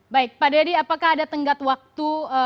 baik pak dedy apakah ada tenggat waktu